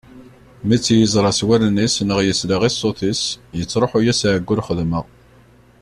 Mi tt-yeẓra s wallen-is neɣ yesla i ṣṣut-is, yettruḥu-yas ɛeggu n lxedma.